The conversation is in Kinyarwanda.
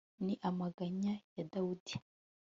ni amaganya ya dawudi